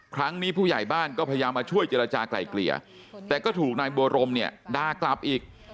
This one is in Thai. ผู้ใหญ่บ้านก็พยายามมาช่วยเจรจากลายเกลี่ยแต่ก็ถูกนายบัวรมเนี่ยด่ากลับอีก